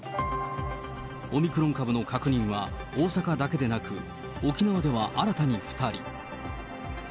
オミクロン株の確認は大阪だけでなく、沖縄では新たに２人。